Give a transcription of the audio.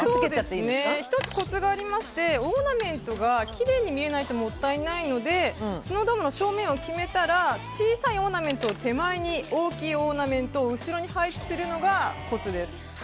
１つ、コツがありましてオーナメントがきれいに見えないともったいないのでスノードームの正面を決めたら小さいオーナメントを手前にして大きいオーナメントを後ろに配置するのがコツです。